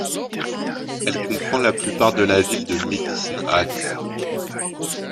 Elle comprend la plupart de la ville de Medicine Hat.